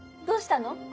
どうしたの？